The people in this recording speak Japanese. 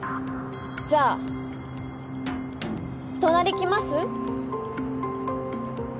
じゃあ隣来ます？